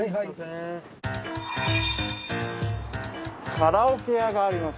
カラオケ屋があります。